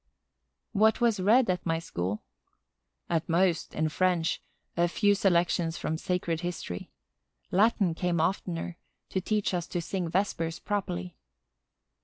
What was read at my school? At most, in French, a few selections from sacred history. Latin came oftener, to teach us to sing vespers properly.